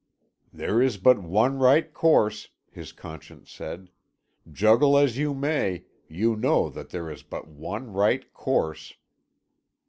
"There is but one right course," his conscience said; "juggle as you may, you know that there is but one right course."